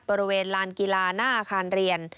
บริเวณลานกีฬาหน้าอาคารเรียน